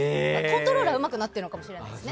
コントロールはうまくなってるかもしれないです。